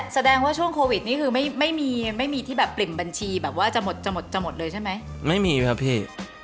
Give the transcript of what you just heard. แสดงว่าช่วงโควิดนี่คือไม่ไม่มีไม่มีที่แบบปริ่มบัญชีแบบว่าจะหมดจะหมดจะหมดเลยใช่ไหมไม่มีครับพี่